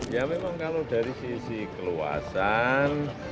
ya memang kalau dari sisi keluasan